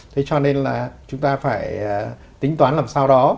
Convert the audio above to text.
thế cho nên là chúng ta phải tính toán làm sao đó